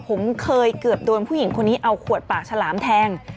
ผมเคยเกือบโดนผู้หญิงคนนี้เอาขวดปากฉลามแทง